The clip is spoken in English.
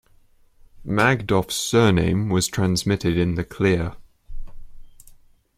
Magdoff's surname was transmitted in the clear.